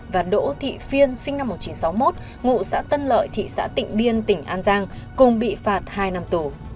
và đỗ thị phiên sinh năm một nghìn chín trăm sáu mươi một ngụ xã tân lợi thị xã tịnh biên tỉnh an giang cùng bị phạt hai năm tù